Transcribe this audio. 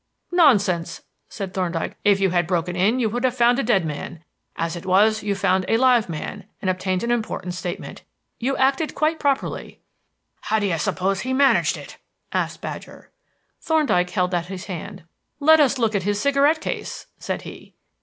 "Nonsense," said Thorndyke. "If you had broken in you would have found a dead man. As it was you found a live man and obtained an important statement. You acted quite properly." "How do you suppose he managed it?" asked Badger. Thorndyke held out his hand. "Let us look at his cigarette case," said he.